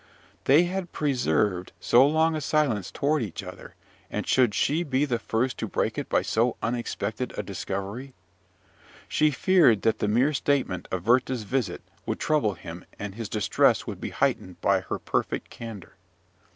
They had preserved so long a silence toward each other and should she be the first to break it by so unexpected a discovery? She feared that the mere statement of Werther's visit would trouble him, and his distress would be heightened by her perfect candour.